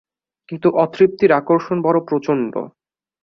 কিন্তু অতৃপ্তির আকর্ষণ বড়ো প্রচণ্ড।